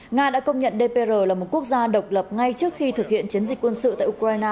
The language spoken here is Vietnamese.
nga đã công nhận dpr là một quốc gia độc lập ngay trước khi thực hiện chiến dịch quân sự tại ukraine